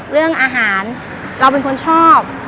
เรื่องอาหารเราเป็นคนชอบ